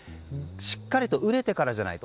しっかり熟れてからじゃないと。